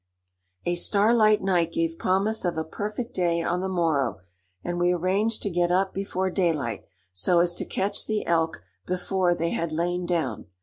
A starlight night gave promise of a perfect day on the morrow, and we arranged to get up before daylight, so as to catch the elk before they had lain down.